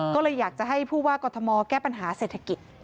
ก็เลยอยากจะให้ผู้ว่ากรทมแก้ปัญหาเศรษฐกิจ